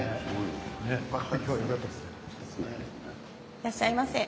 いらっしゃいませ。